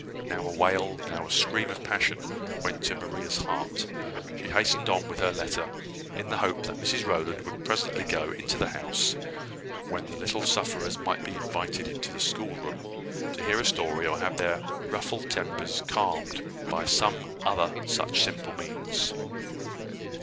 Now a wail, now a scream of passion, went to Maria's heart. She hastened on with her letter, in the hope that Mrs Rowland would presently go into the house, when the little sufferers might be invited into the schoolroom, to hear a story, or have their ruffled tempers calmed by some other such simple means.